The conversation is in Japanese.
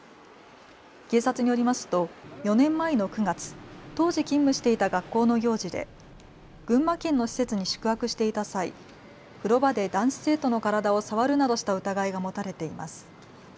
警察によりますと４年前の９月、当時勤務していた学校の行事で群馬県の施設に宿泊していた際、風呂場で男子生徒の体を触るなどした疑いが持たれています。